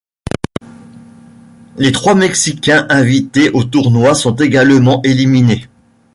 Les trois Mexicains invités au tournoi sont également éliminés.